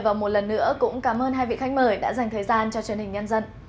và một lần nữa cũng cảm ơn hai vị khách mời đã dành thời gian cho truyền hình nhân dân